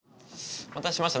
お待たせしました。